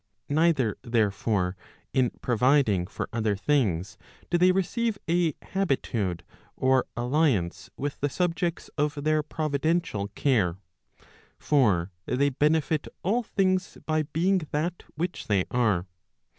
Neither, therefore, in pro¬ viding for other things, do they receive a habitude, or alliance with the subjects of their providential care. For they benefit all things by being that which they are.